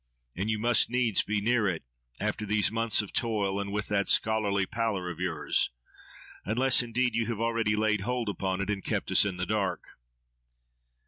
and you must needs be near it, after these months of toil, and with that scholarly pallor of yours. Unless, indeed, you have already laid hold upon it, and kept us in the dark.